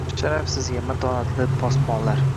Sharaf sizga, matonatli posbonlar!